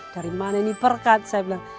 dari mana ini berkat saya bilang